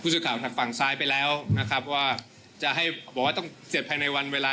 สื่อข่าวทางฝั่งซ้ายไปแล้วนะครับว่าจะให้บอกว่าต้องเสร็จภายในวันเวลา